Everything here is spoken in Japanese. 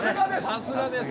さすがです。